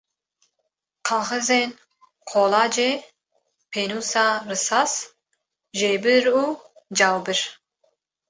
Kaxezên kolacê, pênûsa risas, jêbir û cawbir.